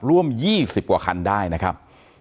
ร่วม๒๐กว่าคันได้นะครับ